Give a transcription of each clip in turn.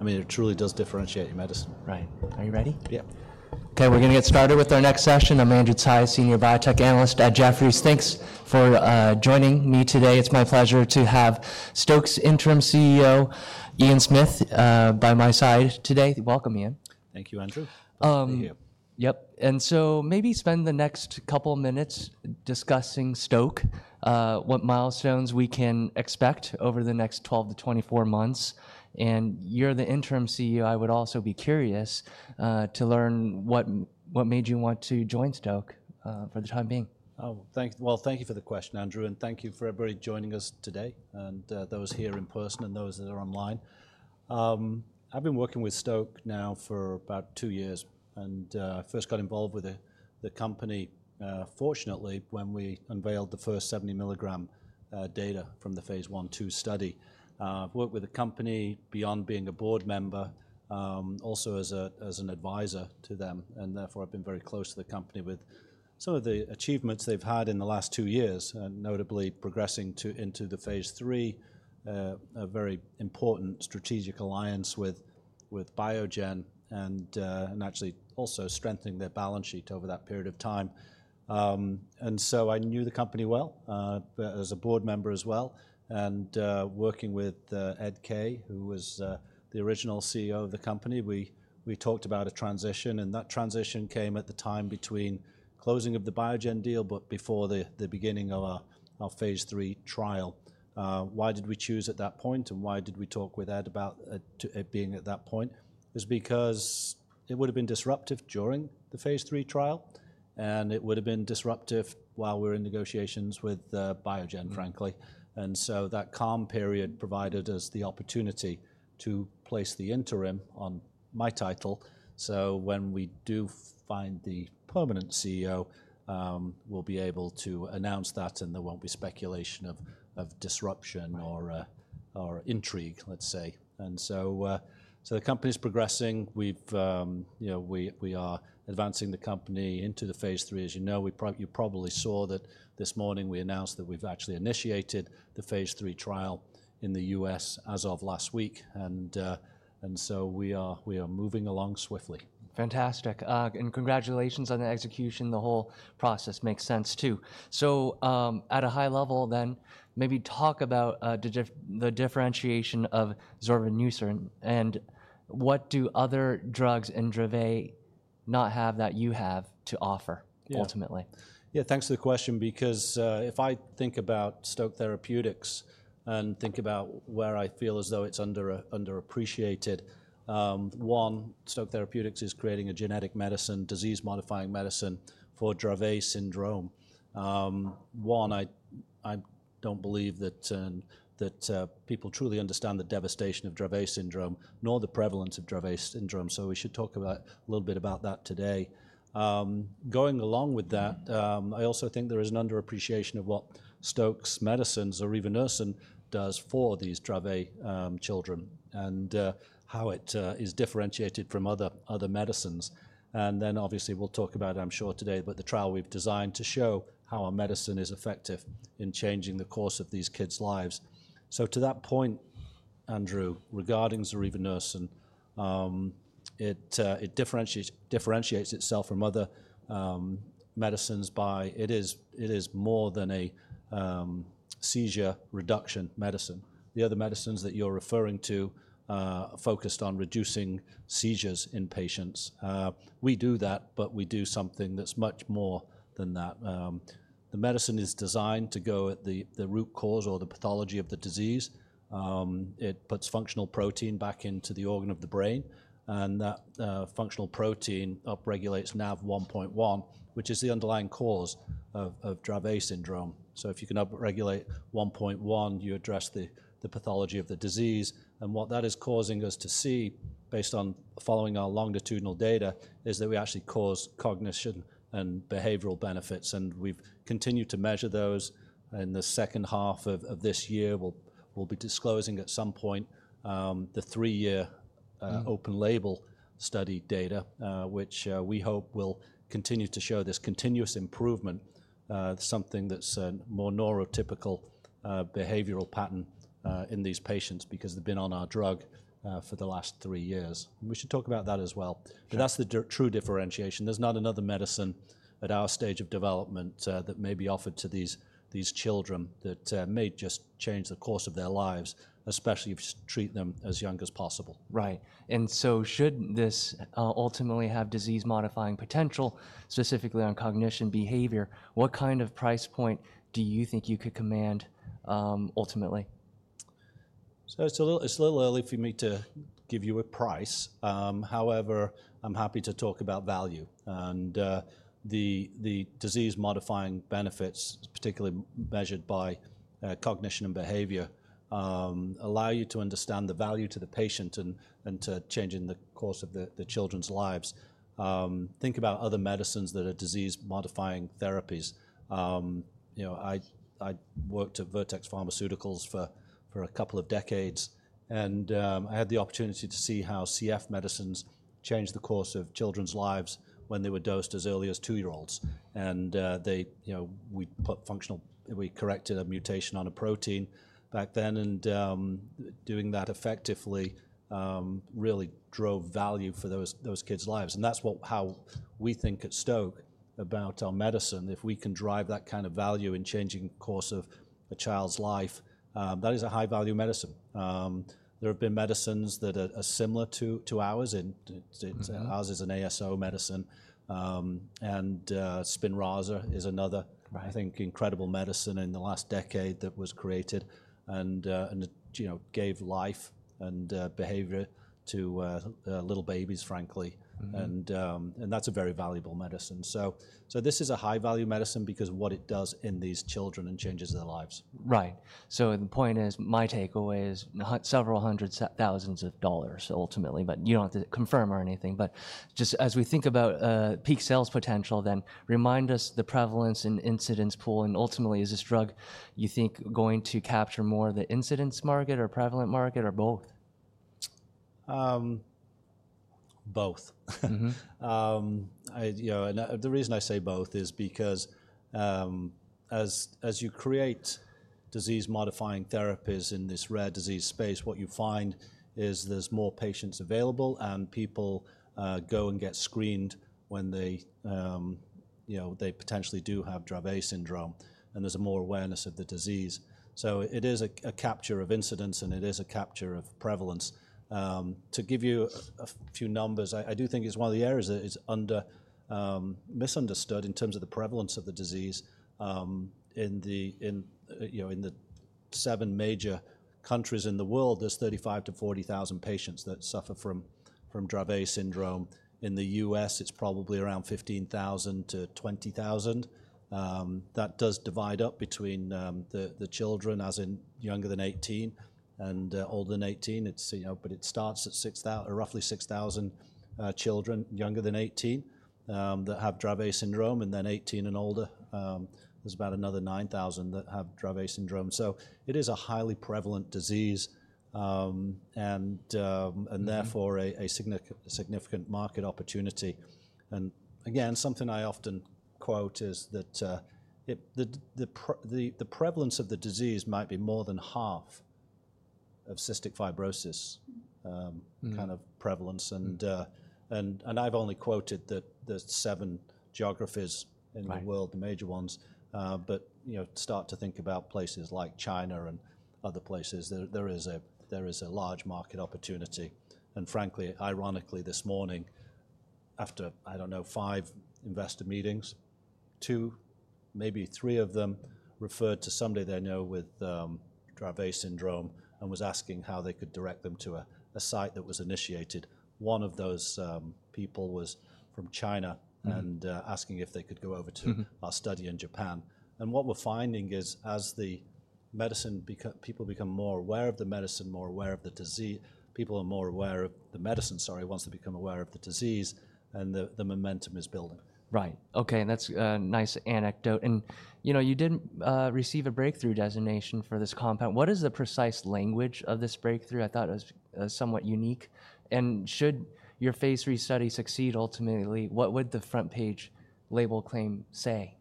I mean, it truly does differentiate your medicine. Right. Are you ready? Yep. Okay, we're going to get started with our next session. I'm Andrew Tsai, Senior Biotech Analyst at Jefferies. Thanks for joining me today. It's my pleasure to have Stoke's Interim CEO, Ian Smith, by my side today. Welcome, Ian. Thank you, Andrew. Thank you. Yep. Maybe spend the next couple of minutes discussing Stoke, what milestones we can expect over the next 12 months-24 months. You're the Interim CEO. I would also be curious to learn what made you want to join Stoke for the time being. Oh, thank you for the question, Andrew. Thank you for everybody joining us today, those here in person and those that are online. I've been working with Stoke now for about two years. I first got involved with the company, fortunately, when we unveiled the first 70 mg data from the phase I/II study. I've worked with the company beyond being a board member, also as an advisor to them. Therefore, I've been very close to the company with some of the achievements they've had in the last two years, notably progressing into the phase III, a very important strategic alliance with Biogen, and actually also strengthening their balance sheet over that period of time. I knew the company well as a board member as well. Working with Ed Kaye, who was the original CEO of the company, we talked about a transition. That transition came at the time between closing of the Biogen deal, but before the beginning of our phase III trial. Why did we choose at that point? Why did we talk with Ed about it being at that point? It is because it would have been disruptive during the phase III trial, and it would have been disruptive while we were in negotiations with Biogen, frankly. That calm period provided us the opportunity to place the interim on my title. When we do find the permanent CEO, we will be able to announce that, and there will not be speculation of disruption or intrigue, let's say. The company is progressing. We are advancing the company into the phase III, as you know. You probably saw that this morning we announced that we've actually initiated the phase III trial in the U.S. as of last week. We are moving along swiftly. Fantastic. Congratulations on the execution. The whole process makes sense, too. At a high level, then, maybe talk about the differentiation of zorevunersen. What do other drugs in Dravet not have that you have to offer, ultimately? Yeah, thanks for the question, because if I think about Stoke Therapeutics and think about where I feel as though it's underappreciated, one, Stoke Therapeutics is creating a genetic medicine, disease-modifying medicine for Dravet syndrome. One, I don't believe that people truly understand the devastation of Dravet syndrome, nor the prevalence of Dravet syndrome. We should talk a little bit about that today. Going along with that, I also think there is an underappreciation of what Stoke's medicines, or even zorevunersen, does for these Dravet children, and how it is differentiated from other medicines. Obviously, we'll talk about, I'm sure, today, about the trial we've designed to show how our medicine is effective in changing the course of these kids' lives. To that point, Andrew, regarding zorevunersen, it differentiates itself from other medicines by it is more than a seizure-reduction medicine. The other medicines that you're referring to focused on reducing seizures in patients. We do that, but we do something that's much more than that. The medicine is designed to go at the root cause or the pathology of the disease. It puts functional protein back into the organ of the brain. That functional protein upregulates NaV1.1, which is the underlying cause of Dravet syndrome. If you can upregulate 1.1, you address the pathology of the disease. What that is causing us to see, based on following our longitudinal data, is that we actually cause cognition and behavioral benefits. We've continued to measure those. In the second half of this year, we'll be disclosing at some point the three-year open-label study data, which we hope will continue to show this continuous improvement, something that's a more neurotypical behavioral pattern in these patients because they've been on our drug for the last three years. We should talk about that as well. That's the true differentiation. There's not another medicine at our stage of development that may be offered to these children that may just change the course of their lives, especially if you treat them as young as possible. Right. Should this ultimately have disease-modifying potential, specifically on cognition behavior, what kind of price point do you think you could command, ultimately? It's a little early for me to give you a price. However, I'm happy to talk about value. The disease-modifying benefits, particularly measured by cognition and behavior, allow you to understand the value to the patient and to change the course of the children's lives. Think about other medicines that are disease-modifying therapies. I worked at Vertex Pharmaceuticals for a couple of decades, and I had the opportunity to see how CF medicines changed the course of children's lives when they were dosed as early as two-year-olds. We corrected a mutation on a protein back then. Doing that effectively really drove value for those kids' lives. That's how we think at Stoke about our medicine. If we can drive that kind of value in changing the course of a child's life, that is a high-value medicine. There have been medicines that are similar to ours. Ours is an ASO medicine. Spinraza is another, I think, incredible medicine in the last decade that was created and gave life and behavior to little babies, frankly. That is a very valuable medicine. This is a high-value medicine because of what it does in these children and changes their lives. Right. So the point is, my takeaway is several hundred thousand dollars, ultimately. You do not have to confirm or anything. As we think about peak sales potential, remind us the prevalence and incidence pool. Ultimately, is this drug, you think, going to capture more the incidence market or prevalent market or both? Both. The reason I say both is because as you create disease-modifying therapies in this rare disease space, what you find is there's more patients available, and people go and get screened when they potentially do have Dravet syndrome. There's more awareness of the disease. It is a capture of incidence, and it is a capture of prevalence. To give you a few numbers, I do think it's one of the areas that is misunderstood in terms of the prevalence of the disease. In the seven major countries in the world, there's 35,000-40,000 patients that suffer from Dravet syndrome. In the U.S., it's probably around 15,000-20,000. That does divide up between the children, as in younger than 18 and older than 18. It starts at roughly 6,000 children younger than 18 that have Dravet syndrome, and then 18 and older. There's about another 9,000 that have Dravet syndrome. It is a highly prevalent disease and therefore a significant market opportunity. Something I often quote is that the prevalence of the disease might be more than half of cystic fibrosis kind of prevalence. I've only quoted the seven geographies in the world, the major ones. Start to think about places like China and other places. There is a large market opportunity. Frankly, ironically, this morning, after, I don't know, five investor meetings, two, maybe three of them referred to somebody they know with Dravet syndrome and was asking how they could direct them to a site that was initiated. One of those people was from China and asking if they could go over to our study in Japan. What we're finding is as people become more aware of the medicine, more aware of the disease, people are more aware of the medicine, sorry, once they become aware of the disease, and the momentum is building. Right. Okay, that's a nice anecdote. You did receive a breakthrough designation for this compound. What is the precise language of this breakthrough? I thought it was somewhat unique. Should your phase III study succeed, ultimately, what would the front-page label claim say?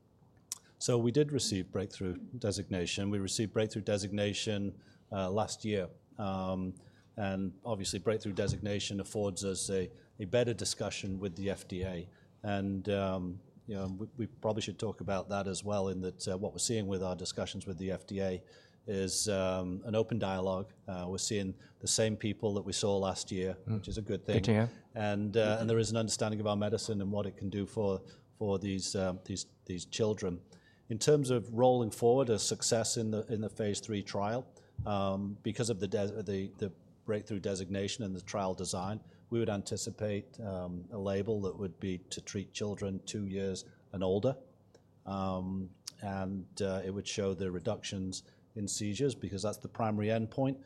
We did receive breakthrough designation. We received breakthrough designation last year. Obviously, breakthrough designation affords us a better discussion with the FDA. We probably should talk about that as well, in that what we're seeing with our discussions with the FDA is an open dialogue. We're seeing the same people that we saw last year, which is a good thing. Good to hear. There is an understanding of our medicine and what it can do for these children. In terms of rolling forward a success in the phase III trial, because of the breakthrough designation and the trial design, we would anticipate a label that would be to treat children two years and older. It would show the reductions in seizures because that is the primary endpoint.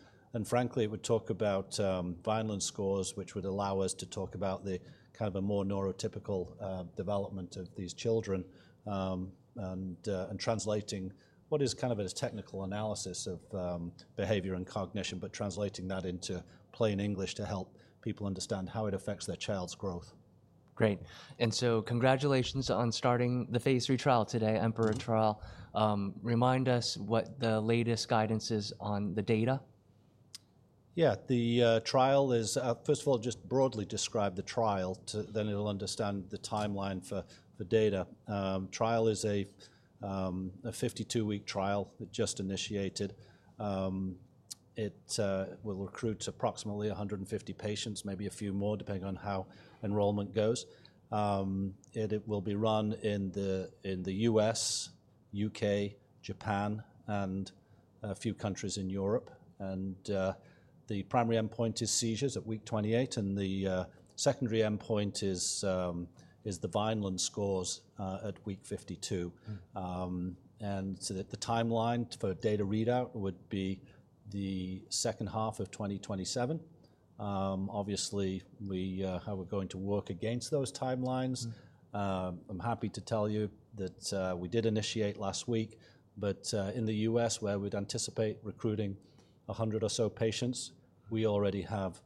Frankly, it would talk about Vineland scores, which would allow us to talk about the kind of a more neurotypical development of these children and translating what is kind of a technical analysis of behavior and cognition, but translating that into plain English to help people understand how it affects their child's growth. Great. Congratulations on starting the phase III trial today, EMPEROR trial. Remind us what the latest guidance is on the data. Yeah, the trial is, first of all, just broadly describe the trial, then it'll understand the timeline for data. The trial is a 52-week trial that just initiated. It will recruit approximately 150 patients, maybe a few more, depending on how enrollment goes. It will be run in the U.S., U.K., Japan, and a few countries in Europe. The primary endpoint is seizures at week 28, and the secondary endpoint is the Vineland scores at week 52. The timeline for data readout would be the second half of 2027. Obviously, how we're going to work against those timelines, I'm happy to tell you that we did initiate last week. In the U.S., where we'd anticipate recruiting 100 or so patients, we already have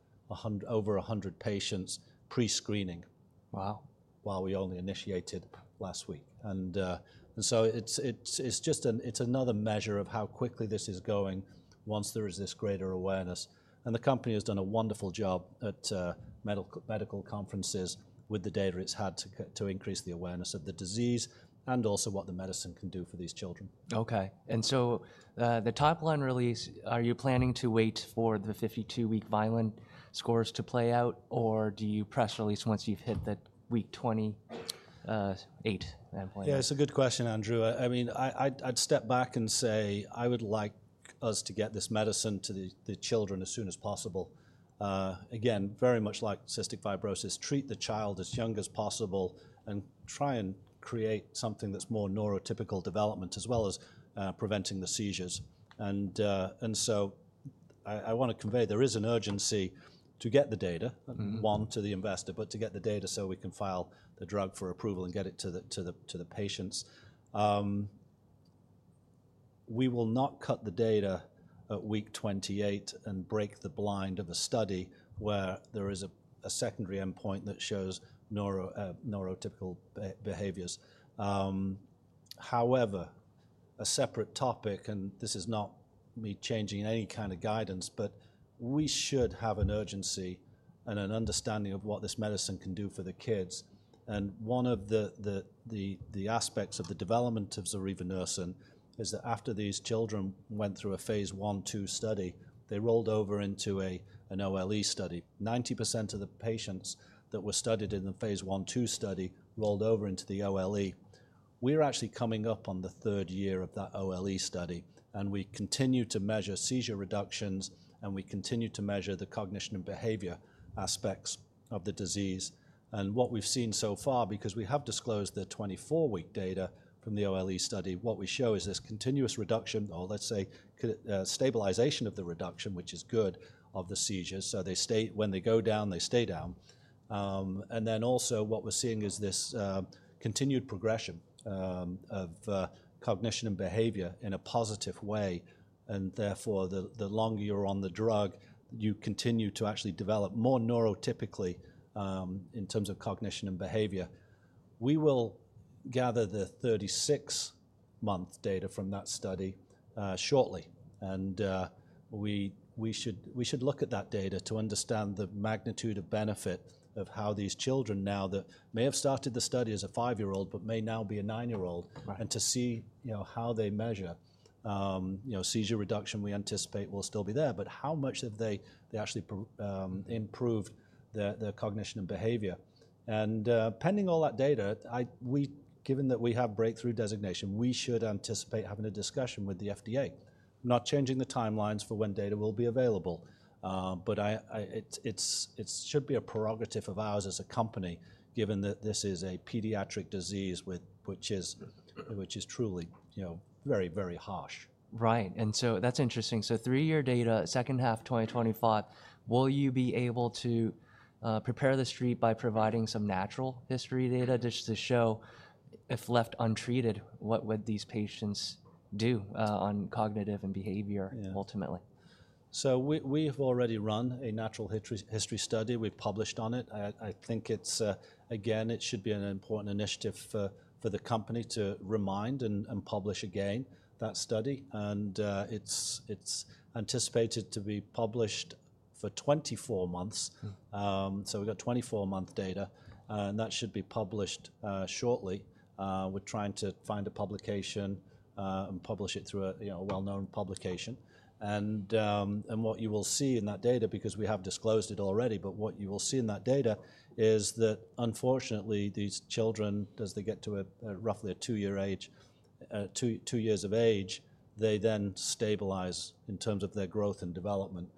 over 100 patients pre-screening while we only initiated last week. It is just another measure of how quickly this is going once there is this greater awareness. The company has done a wonderful job at medical conferences with the data it has had to increase the awareness of the disease and also what the medicine can do for these children. Okay. And so the top line release, are you planning to wait for the 52-week Vineland scores to play out, or do you press release once you've hit the week 28 endpoint? Yeah, it's a good question, Andrew. I mean, I'd step back and say I would like us to get this medicine to the children as soon as possible. Again, very much like cystic fibrosis, treat the child as young as possible and try and create something that's more neurotypical development as well as preventing the seizures. I want to convey there is an urgency to get the data, one, to the investor, but to get the data so we can file the drug for approval and get it to the patients. We will not cut the data at week 28 and break the blind of a study where there is a secondary endpoint that shows neurotypical behaviors. However, a separate topic, and this is not me changing any kind of guidance, but we should have an urgency and an understanding of what this medicine can do for the kids. One of the aspects of the development of zorevunersen is that after these children went through a phase I/II study, they rolled over into an OLE study. 90% of the patients that were studied in the phase I/II study rolled over into the OLE. We're actually coming up on the third year of that OLE study. We continue to measure seizure reductions, and we continue to measure the cognition and behavior aspects of the disease. What we've seen so far, because we have disclosed the 24-week data from the OLE study, what we show is this continuous reduction, or let's say stabilization of the reduction, which is good, of the seizures. When they go down, they stay down. Also, what we're seeing is this continued progression of cognition and behavior in a positive way. Therefore, the longer you're on the drug, you continue to actually develop more neurotypically in terms of cognition and behavior. We will gather the 36-month data from that study shortly. We should look at that data to understand the magnitude of benefit of how these children now that may have started the study as a five-year-old but may now be a nine-year-old and to see how they measure. Seizure reduction, we anticipate, will still be there. How much have they actually improved their cognition and behavior? Pending all that data, given that we have breakthrough designation, we should anticipate having a discussion with the FDA, not changing the timelines for when data will be available. It should be a prerogative of ours as a company, given that this is a pediatric disease, which is truly very, very harsh. Right. That's interesting. Three-year data, second half 2025. Will you be able to prepare the street by providing some natural history data just to show if left untreated, what would these patients do on cognitive and behavior, ultimately? We have already run a natural history study. We've published on it. I think, again, it should be an important initiative for the company to remind and publish again that study. It is anticipated to be published for 24 months. We've got 24-month data, and that should be published shortly. We're trying to find a publication and publish it through a well-known publication. What you will see in that data, because we have disclosed it already, what you will see in that data is that, unfortunately, these children, as they get to roughly a two-year age, they then stabilize in terms of their growth and development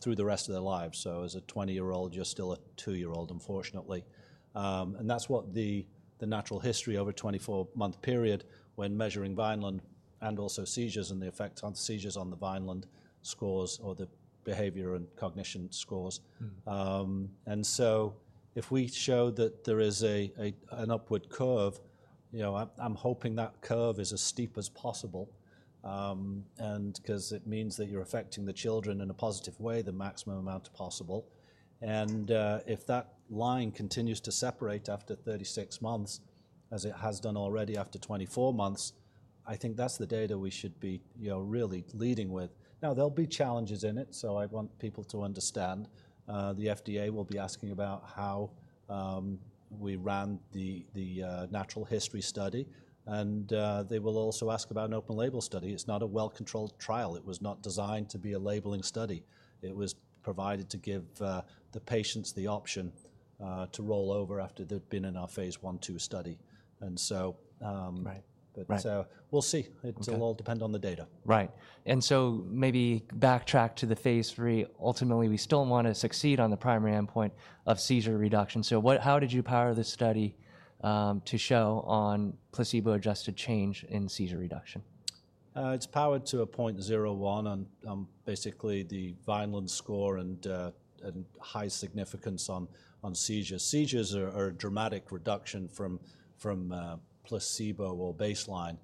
through the rest of their lives. As a 20-year-old, you're still a two-year-old, unfortunately. That is what the natural history over a 24-month period when measuring Vineland and also seizures and the effects on seizures on the Vineland scores or the behavior and cognition scores. If we show that there is an upward curve, I'm hoping that curve is as steep as possible because it means that you're affecting the children in a positive way, the maximum amount possible. If that line continues to separate after 36 months, as it has done already after 24 months, I think that is the data we should be really leading with. There will be challenges in it. I want people to understand. The FDA will be asking about how we ran the natural history study. They will also ask about an open label study. It's not a well-controlled trial. It was not designed to be a labeling study. It was provided to give the patients the option to roll over after they've been in our phase I/II study. We'll see. It'll all depend on the data. Right. Maybe backtrack to the phase III. Ultimately, we still want to succeed on the primary endpoint of seizure reduction. How did you power this study to show on placebo-adjusted change in seizure reduction? It's powered to a 0.01 on basically the Vineland score and high significance on seizures. Seizures are a dramatic reduction from placebo or baseline,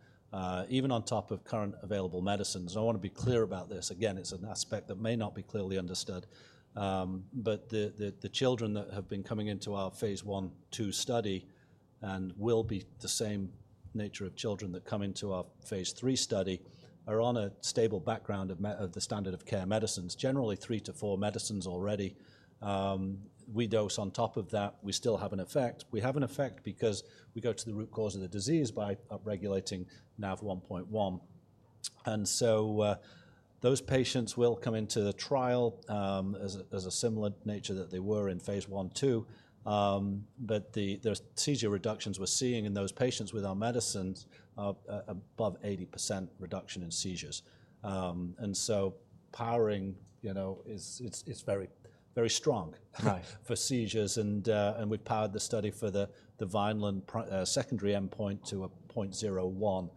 even on top of current available medicines. I want to be clear about this. Again, it's an aspect that may not be clearly understood. The children that have been coming into our phase I/II study and will be the same nature of children that come into our phase III study are on a stable background of the standard of care medicines, generally three to four medicines already. We dose on top of that. We still have an effect. We have an effect because we go to the root cause of the disease by upregulating NaV1.1. Those patients will come into the trial as a similar nature that they were in phase I/II. The seizure reductions we're seeing in those patients with our medicines are above 80% reduction in seizures. Powering is very strong for seizures. We've powered the study for the Vineland secondary endpoint to a 0.01.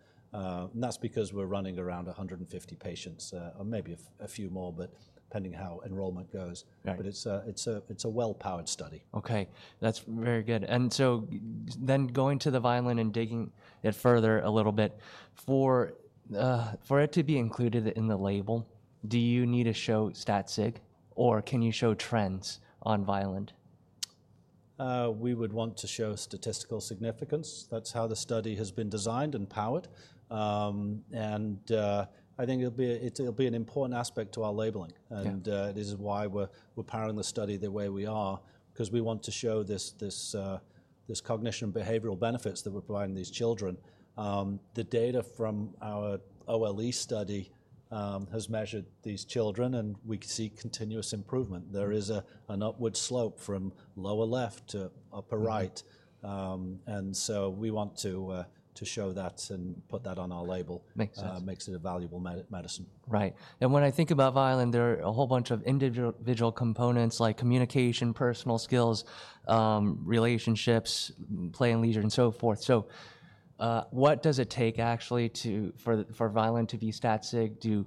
That's because we're running around 150 patients, or maybe a few more, depending how enrollment goes. It's a well-powered study. Okay. That's very good. Going to the Vineland and digging in further a little bit, for it to be included in the label, do you need to show stat sig, or can you show trends on Vineland? We would want to show statistical significance. That is how the study has been designed and powered. I think it will be an important aspect to our labeling. This is why we are powering the study the way we are, because we want to show this cognition and behavioral benefits that we are providing these children. The data from our OLE study has measured these children, and we see continuous improvement. There is an upward slope from lower left to upper right. We want to show that and put that on our label. Makes sense. Makes it a valuable medicine. Right. When I think about Vineland, there are a whole bunch of individual components like communication, personal skills, relationships, play and leisure, and so forth. What does it take actually for Vineland to be stat sig? Do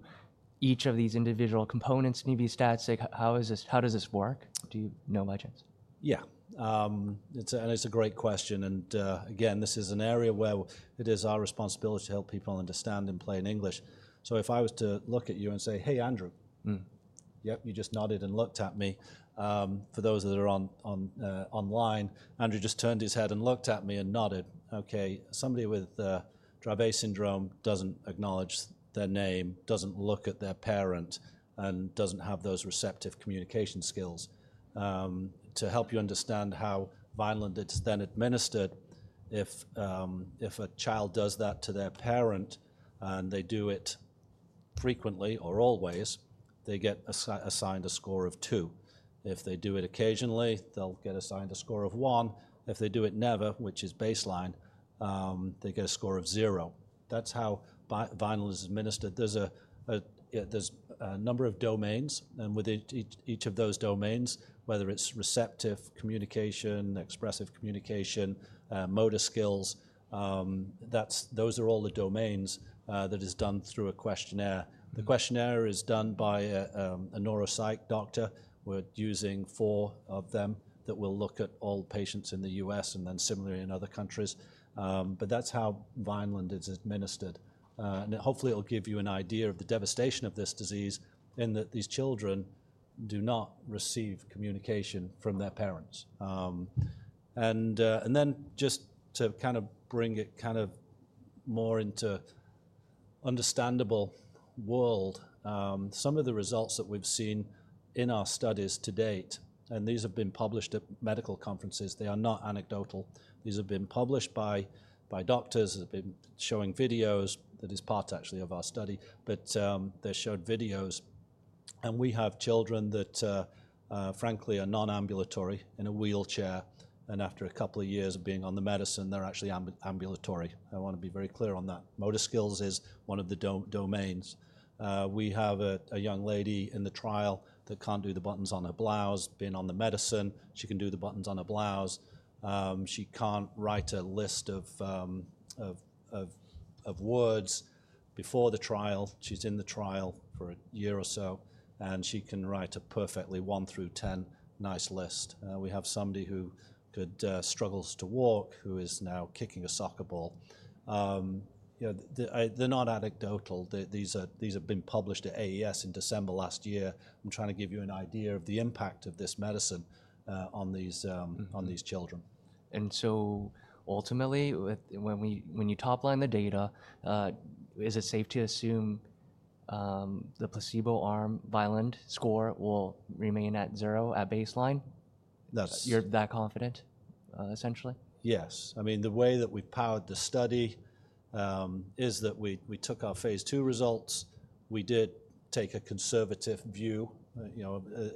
each of these individual components need to be stat sig? How does this work? Do you know by chance? Yeah. It's a great question. Again, this is an area where it is our responsibility to help people understand and play in English. If I was to look at you and say, "Hey, Andrew." Yep, you just nodded and looked at me. For those that are online, Andrew just turned his head and looked at me and nodded. Somebody with Dravet syndrome doesn't acknowledge their name, doesn't look at their parent, and doesn't have those receptive communication skills. To help you understand how Vineland is then administered, if a child does that to their parent and they do it frequently or always, they get assigned a score of two. If they do it occasionally, they'll get assigned a score of one. If they do it never, which is baseline, they get a score of zero. That's how Vineland is administered. There's a number of domains. With each of those domains, whether it's receptive communication, expressive communication, motor skills, those are all the domains that are done through a questionnaire. The questionnaire is done by a neuropsych doctor. We're using four of them that will look at all patients in the U.S. and then similarly in other countries. That's how Vineland is administered. Hopefully, it'll give you an idea of the devastation of this disease in that these children do not receive communication from their parents. Just to kind of bring it more into an understandable world, some of the results that we've seen in our studies to date, and these have been published at medical conferences. They are not anecdotal. These have been published by doctors. They've been showing videos. That is part, actually, of our study. They showed videos. We have children that, frankly, are non-ambulatory in a wheelchair. After a couple of years of being on the medicine, they're actually ambulatory. I want to be very clear on that. Motor skills is one of the domains. We have a young lady in the trial that can't do the buttons on her blouse. Being on the medicine, she can do the buttons on her blouse. She can't write a list of words before the trial. She's in the trial for a year or so, and she can write a perfectly 1 through 10 nice list. We have somebody who struggles to walk who is now kicking a soccer ball. They're not anecdotal. These have been published at AES in December last year. I'm trying to give you an idea of the impact of this medicine on these children. Ultimately, when you topline the data, is it safe to assume the placebo-arm Vineland score will remain at zero at baseline? Yes. You're that confident, essentially? Yes. I mean, the way that we've powered the study is that we took our phase II results. We did take a conservative view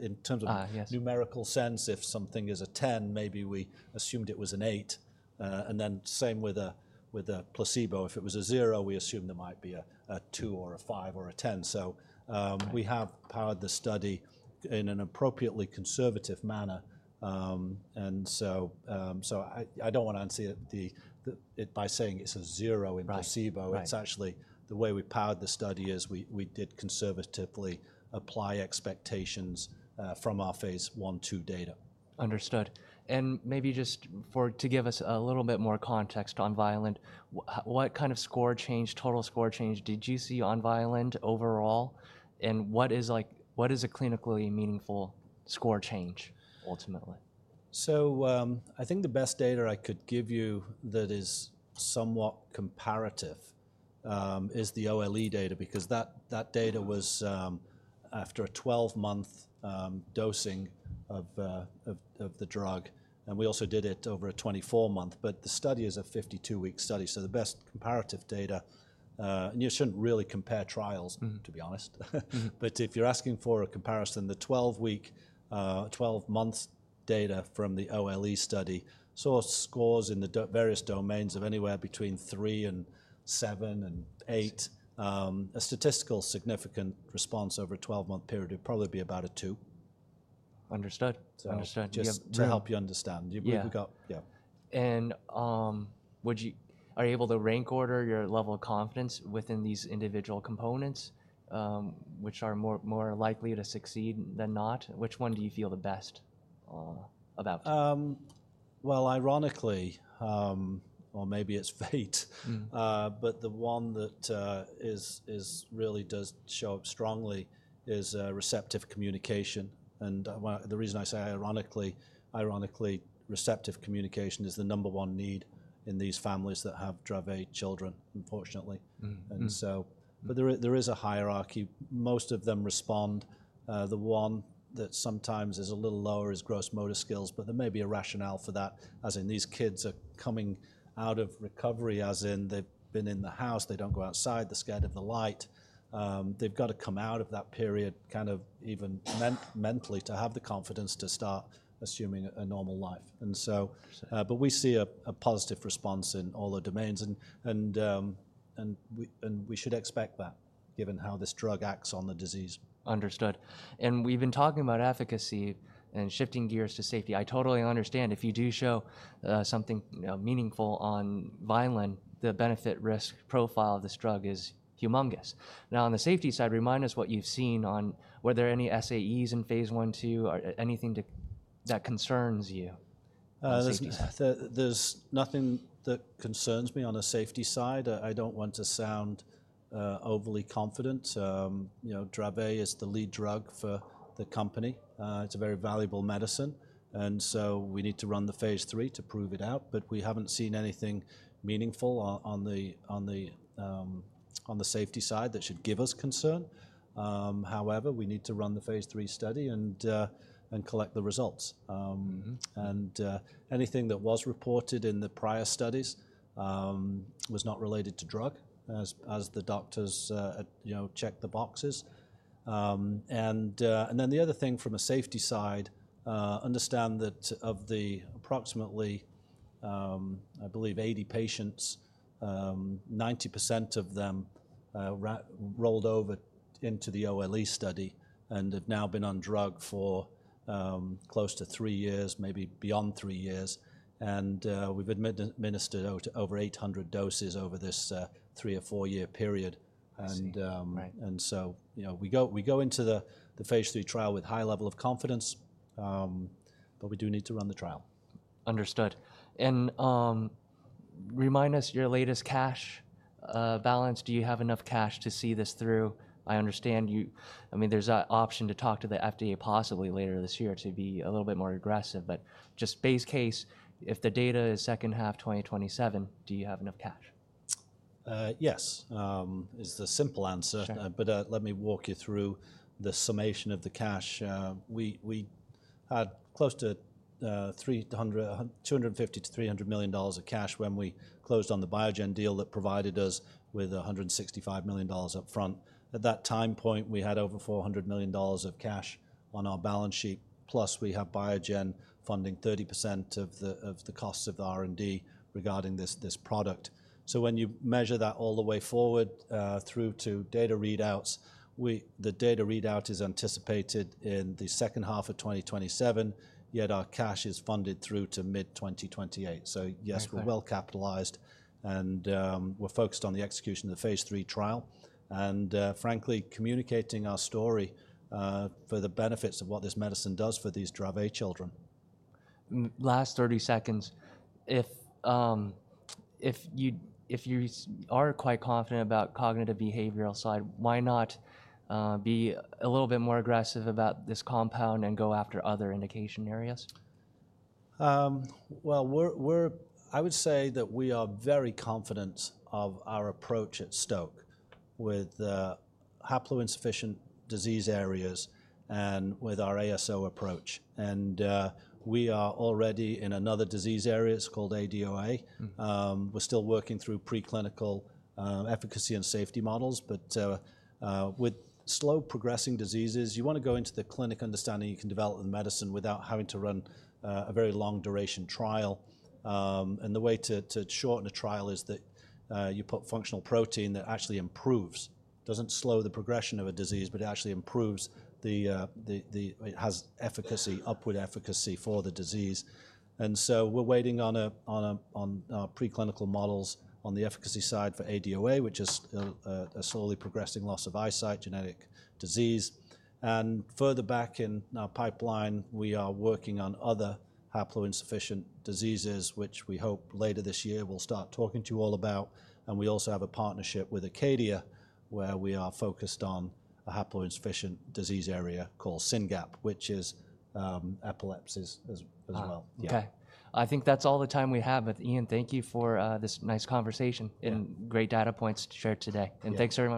in terms of numerical sense. If something is a 10, maybe we assumed it was an 8. Same with a placebo. If it was a 0, we assumed there might be a 2 or a 5 or a 10. We have powered the study in an appropriately conservative manner. I don't want to answer it by saying it's a 0 in placebo. It's actually the way we powered the study is we did conservatively apply expectations from our phase I/II data. Understood. Maybe just to give us a little bit more context on Vineland, what kind of score change, total score change did you see on Vineland overall? What is a clinically meaningful score change, ultimately? I think the best data I could give you that is somewhat comparative is the OLE data, because that data was after a 12-month dosing of the drug. We also did it over a 24-month. The study is a 52-week study. The best comparative data, and you shouldn't really compare trials, to be honest. If you're asking for a comparison, the 12-month data from the OLE study saw scores in the various domains of anywhere between 3 and 7 and 8. A statistical significant response over a 12-month period would probably be about a 2. Understood. To help you understand. Yeah. Are you able to rank order your level of confidence within these individual components, which are more likely to succeed than not? Which one do you feel the best about? Ironically, or maybe it's fate, but the one that really does show up strongly is receptive communication. The reason I say ironically, receptive communication is the number one need in these families that have Dravet children, unfortunately. There is a hierarchy. Most of them respond. The one that sometimes is a little lower is gross motor skills. There may be a rationale for that, as in these kids are coming out of recovery, as in they've been in the house. They do not go outside. They are scared of the light. They have got to come out of that period kind of even mentally to have the confidence to start assuming a normal life. We see a positive response in all the domains. We should expect that, given how this drug acts on the disease. Understood. We've been talking about efficacy and shifting gears to safety. I totally understand. If you do show something meaningful on Vineland, the benefit-risk profile of this drug is humongous. Now, on the safety side, remind us what you've seen. Were there any SAEs in phase I/II or anything that concerns you? There's nothing that concerns me on the safety side. I don't want to sound overly confident. Dravet is the lead drug for the company. It's a very valuable medicine. We need to run the phase III to prove it out. We haven't seen anything meaningful on the safety side that should give us concern. However, we need to run the phase III study and collect the results. Anything that was reported in the prior studies was not related to drug, as the doctors checked the boxes. The other thing from a safety side, understand that of the approximately, I believe, 80 patients, 90% of them rolled over into the OLE study and have now been on drug for close to three years, maybe beyond three years. We've administered over 800 doses over this three or four-year period. We go into the phase III trial with a high level of confidence. We do need to run the trial. Understood. Remind us your latest cash balance. Do you have enough cash to see this through? I understand. I mean, there's an option to talk to the FDA possibly later this year to be a little bit more aggressive. Just base case, if the data is second half 2027, do you have enough cash? Yes, is the simple answer. Let me walk you through the summation of the cash. We had close to $250 million-$300 million of cash when we closed on the Biogen deal that provided us with $165 million upfront. At that time point, we had over $400 million of cash on our balance sheet. Plus, we have Biogen funding 30% of the costs of the R&D regarding this product. When you measure that all the way forward through to data readouts, the data readout is anticipated in the second half of 2027. Yet our cash is funded through to mid-2028. Yes, we're well capitalized. We're focused on the execution of the phase III trial and, frankly, communicating our story for the benefits of what this medicine does for these Dravet children. Last 30 seconds. If you are quite confident about the cognitive behavioral side, why not be a little bit more aggressive about this compound and go after other indication areas? I would say that we are very confident of our approach at Stoke with haploinsufficient disease areas and with our ASO approach. We are already in another disease area. It's called ADOA. We're still working through preclinical efficacy and safety models. With slow progressing diseases, you want to go into the clinic understanding you can develop the medicine without having to run a very long-duration trial. The way to shorten a trial is that you put functional protein that actually improves. It doesn't slow the progression of a disease, but it actually improves the efficacy, upward efficacy for the disease. We are waiting on our preclinical models on the efficacy side for ADOA, which is a slowly progressing loss of eyesight, genetic disease. Further back in our pipeline, we are working on other haploinsufficient diseases, which we hope later this year we will start talking to you all about. We also have a partnership with Acadia, where we are focused on a haploinsufficient disease area called SYNGAP1, which is epilepsy as well. Okay. I think that's all the time we have with Ian. Thank you for this nice conversation and great data points shared today. Thanks, everyone.